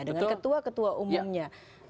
dengan ketua ketua umumnya